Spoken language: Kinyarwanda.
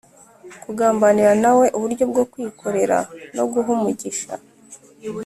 kugambanira na we uburyo bwo kwikorera no guha umugisha